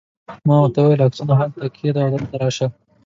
ما ورته وویل: عکسونه هلته کښېږده او دلته راشه.